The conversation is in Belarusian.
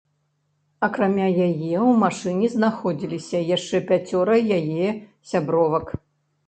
Акрамя яе ў машыне знаходзіліся яшчэ пяцёра яе сябровак.